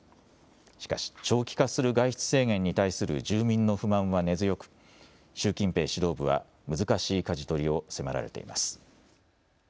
しかし長期化する外出制限に対する住民の不満は根強く、習近平指導部は難しいかじ取りを迫られています。